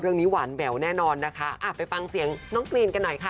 หวานแหววแน่นอนนะคะไปฟังเสียงน้องกรีนกันหน่อยค่ะ